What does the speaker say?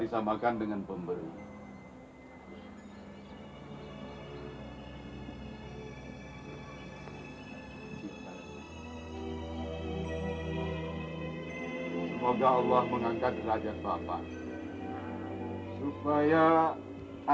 sampai jumpa di video selanjutnya